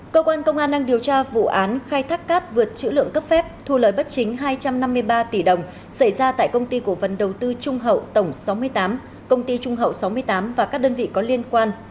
cơ quan công an đang điều tra vụ án khai thác cát vượt chữ lượng cấp phép thu lời bất chính hai trăm năm mươi ba tỷ đồng xảy ra tại công ty cổ phần đầu tư trung hậu tổng sáu mươi tám công ty trung hậu sáu mươi tám và các đơn vị có liên quan